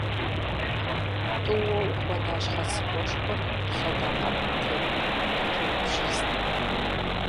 ТӀууэ ухуэна щхьэцыгъуэшхуэр лъэдакъэпэм теуэным къэнэжыр бжьизт.